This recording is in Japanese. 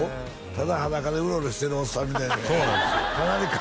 ただ裸でウロウロしてるおっさんみたいなそうなんですよでね